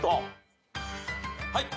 はい。